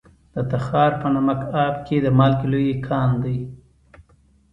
د تخار په نمک اب کې د مالګې لوی کان دی.